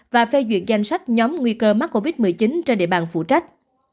và phê duyệt danh sách nhóm nguy cơ mắc covid một mươi chín trên địa bàn phụ trách